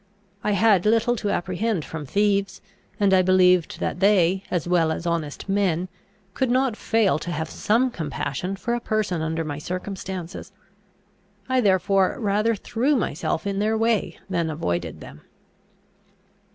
I had little to apprehend from thieves, and I believed that they, as well as honest men, could not fail to have some compassion for a person under my circumstances. I therefore rather threw myself in their way than avoided them.